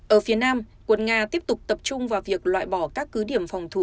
ở phía nam quân nga tiếp tục tập trung vào việc loại bỏ các cứ điểm phòng thủ